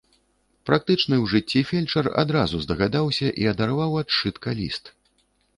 Практычны ў жыцці фельчар адразу здагадаўся і адарваў ад сшытка ліст.